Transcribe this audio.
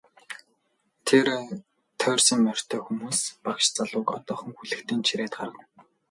Гэр тойрсон морьтой хүмүүс багш залууг одоохон хүлэгтэй нь чирээд гаргана.